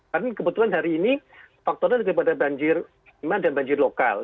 karena kebetulan hari ini faktornya daripada banjir iman dan banjir lokal